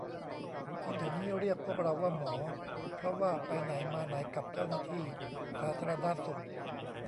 คนแถวนี้เรียกพวกเราว่า 'หมอ' เพราะว่าไปไหนมาไหนกับเจ้าหน้าที่สาธารณสุข